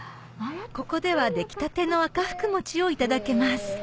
ここでは出来たての赤福餅をいただけます